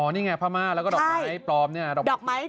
อ๋อนี่ไงพระม่าแล้วก็ดอกไม้ปลอมเนี่ย